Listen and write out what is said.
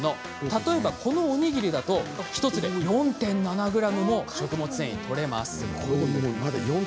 例えばこのおにぎりだと１つで４．７ｇも食物繊維がとれます。